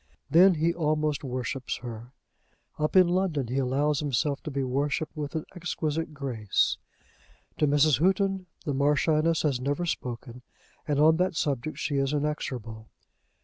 Then he almost worships her. Up in London he allows himself to be worshipped with an exquisite grace. To Mrs. Houghton the Marchioness has never spoken, and on that subject she is inexorable.